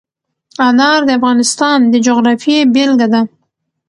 انار د افغانستان د جغرافیې بېلګه ده.